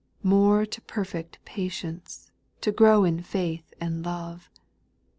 More to perfect patience, to grow in faith and love.